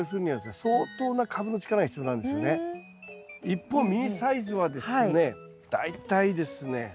一方ミニサイズはですね大体ですね